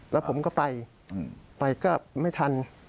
แล้วผมก็ไปไปก็ไม่ทัน